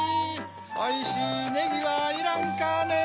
おいしいネギはいらんかね！